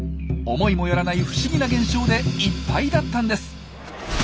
思いもよらない不思議な現象でいっぱいだったんです。